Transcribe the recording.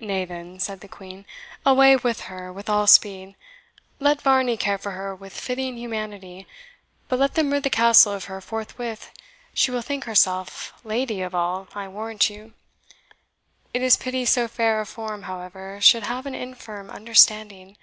"Nay, then," said the Queen, "away with her with all speed. Let Varney care for her with fitting humanity; but let them rid the Castle of her forthwith she will think herself lady of all, I warrant you. It is pity so fair a form, however, should have an infirm understanding.